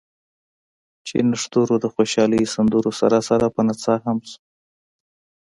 چې نښترونو د خوشالۍ سندرو سره سره پۀ نڅا هم شو ـ